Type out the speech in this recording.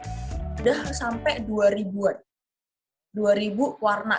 sudah sampai dua ribuan dua ribu warna